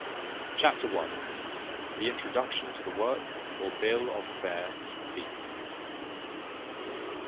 Chapter i. The introduction to the work, or bill of fare to the feast.